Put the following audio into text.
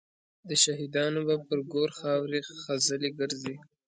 د شهیدانو به پر ګور خاوري خزلي ګرځي